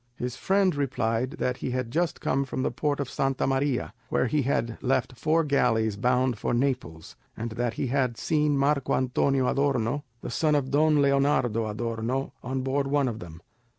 His friend replied that he had just come from the port of Santa Maria, where he had left four galleys bound for Naples, and that he had seen Marco Antonio Adorno, the son of Don Leonardo Adorno, on board one of them.